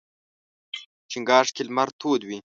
چنګاښ کې لمر تود وي.